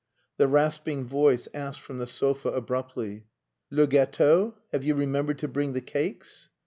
The rasping voice asked from the sofa abruptly "Les gateaux? Have you remembered to bring the cakes?"